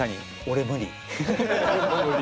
俺無理。